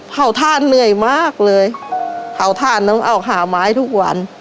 เผาท่าเหนื่อยมากเลยเผาถ่านต้องออกหาไม้ทุกวัน